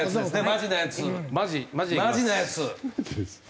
マジなやつ。